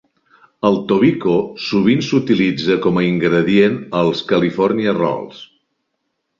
El tobiko sovint s'utilitza com a ingredient als "California rolls".